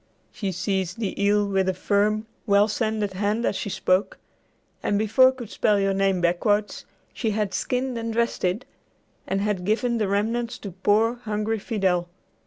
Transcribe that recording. She seized the eel with a firm, well sanded hand as she spoke, and before could spell your name backwards, she had skinned and dressed it, and had given the remnants to poor hungry Fidel.